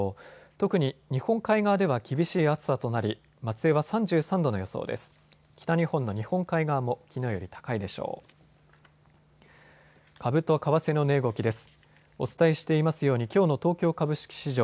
特に日本海側では厳しい暑さとなり、松江は３３度の予想です。